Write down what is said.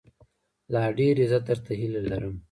لا ډېر عزت، درته هيله لرم